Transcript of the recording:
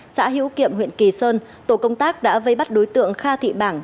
xã hiễu kiệm huyện kỳ sơn tổ công tác đã vây bắt đối tượng kha thị bảng